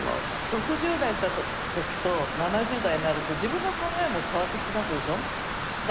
６０代だった時と７０代になると自分の考えも変わってきますでしょ？